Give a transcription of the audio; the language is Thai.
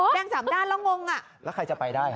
จริงเหรอแล้วงงแล้วใครจะไปได้